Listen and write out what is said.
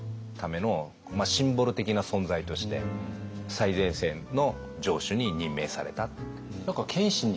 最前線の城主に任命された。